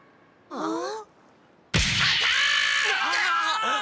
あっ？